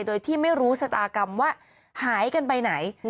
โดยที่ไม่รู้ชะตากรรมว่าหายกันไปไหน